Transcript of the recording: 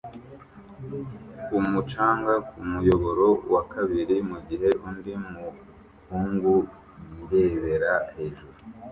kumu canga kumuyoboro wa kabiri mugihe undi muhungu yirebera hejuru